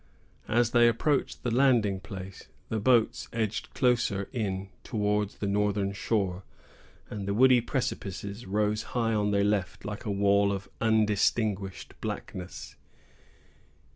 As they approached the landing place, the boats edged closer in towards the northern shore, and the woody precipices rose high on their left, like a wall of undistinguished blackness.